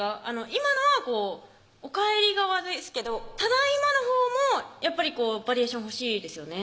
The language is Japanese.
今のはおかえり側ですけどただいまのほうもやっぱりバリエーション欲しいですよね